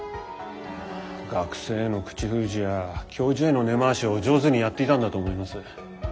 学生への口封じや教授への根回しを上手にやっていたんだと思います。